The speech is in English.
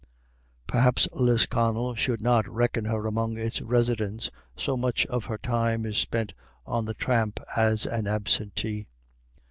Perhaps Lisconnel should not reckon her among its residents, so much of her time is spent on the tramp as an absentee.